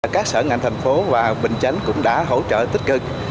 các sở ngành thành phố và bình chánh cũng đã hỗ trợ tích cực